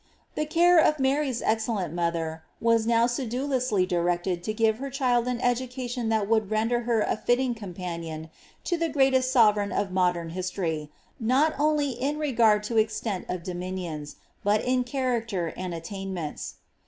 The care of Mary's excellent mother^ was now sedulously directed to give her child an education that would render her a fitting companion to the greatest sovereign of modern his tory, not only in regard to extent of dominions, but in character and attainments.